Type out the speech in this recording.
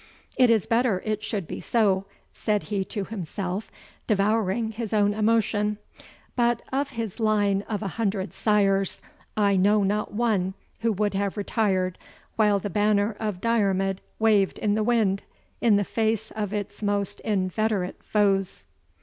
"It is better it should be so," said he to himself, devouring his own emotion; "but of his line of a hundred sires, I know not one who would have retired while the banner of Diarmid waved in the wind, in the face of its most inveterate foes!"